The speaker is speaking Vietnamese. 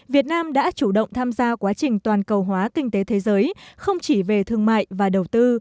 việt nam đã chủ động tham gia quá trình toàn cầu hóa kinh tế thế giới không chỉ về thương mại và đầu tư